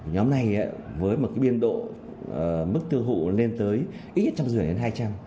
nhóm này với một cái biên độ mức tiêu hụ lên tới ít nhất trăm rưỡi đến hai trăm